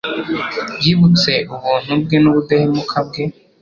Yibutse ubuntu bwe n’ubudahemuka bwe